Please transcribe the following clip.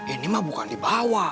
ini mah bukan dibawa